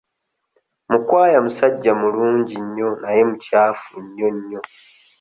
Mukwaya musajja mulungi nnyo naye mukyafu nnyo nnyo.